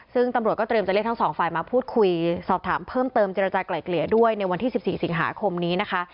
ซึ่งตำรวจก็เตรียมจะเรียกทั้งสองฝ่ายมาพูดคุยสอบถามเพิ่มเติมเจรจากลายเกลี่ยด้วยในวันที่๑๔สิงหาคมนี้นะคะ